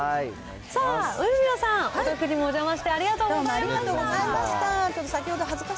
さあ、梅宮さん、お宅にもお邪魔して、ありがとうございました。